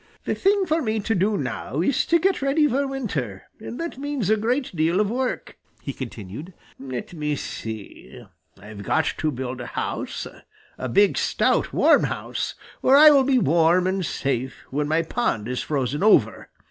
"The thing for me to do now is to get ready for winter, and that means a great deal of work," he continued. "Let me see, I've got to build a house, a big, stout, warm house, where I will be warm and safe when my pond is frozen over.